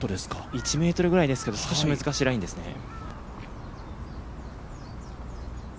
１ｍくらいですけれども少し難しいラインですね。